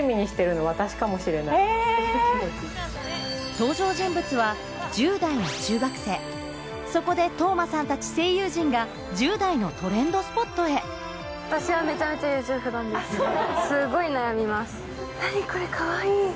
登場人物は十代の中学生そこで當真さんたち声優陣が十代のトレンドスポットへ何これ。